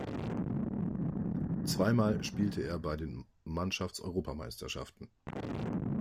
Zweimal spielte er bei den Mannschaftseuropameisterschaften.